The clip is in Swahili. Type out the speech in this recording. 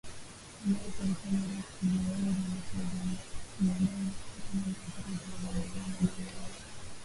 Ambazo serikali ya Rais Yoweri Museveni imedai ni kutokana na athari zinazoendelea za janga la korona na vita nchini Ukraine.